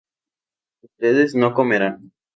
ustedes no comerán